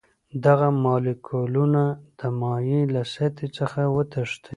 دغه مالیکولونه د مایع له سطحې څخه وتښتي.